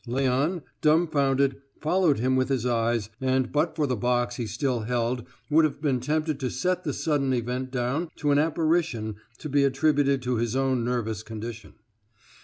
Léon, dumbfounded, followed him with his eyes, and but for the box he still held would have been tempted to set the sudden event down to an apparition to be attributed to his own nervous condition.